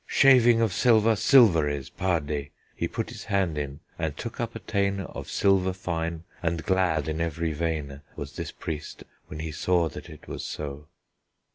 Shavyng of silver silver is, parde! He putte his hand in, and took up a teyne Of silver fyn, and glad in every veyne Was this preest, when he saugh that it was so.